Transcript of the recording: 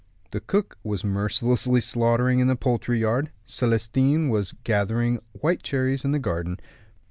The cook was mercilessly slaughtering in the poultry yard; Celestin was gathering white cherries in the garden.